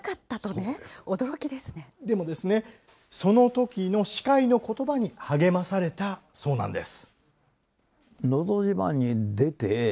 でもですね、そのときの司会のことばに励まされたそうなんです。